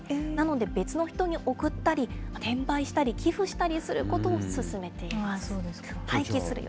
なので、別の人に贈ったり、転売したり、寄付したりすることを勧めています。